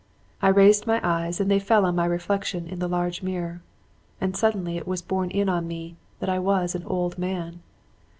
"I raised my eyes and they fell on my reflection in the large mirror; and suddenly it was borne in on me that I was an old man.